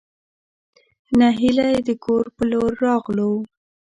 نهېلى د کور په لور راغلو.